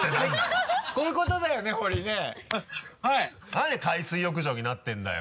何で海水浴場になってるんだよ